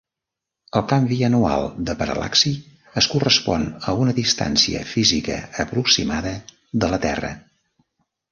El canvi anual de paral·laxi es correspon a una distància física aproximada de la Terra.